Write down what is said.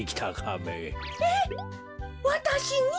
えっわたしに？